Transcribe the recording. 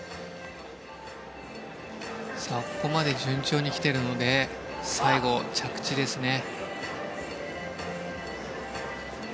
ここまで順調に来ているので最後、着地ですね。